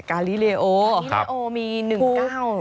การิเลโอมีหนึ่งก้าว